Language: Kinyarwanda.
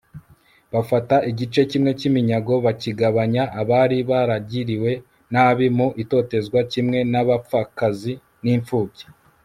bafata igice kimwe cy'iminyago bakigabanya abari baragiriwe nabi mu itotezwa kimwe n'abapfakazi n'imfubyi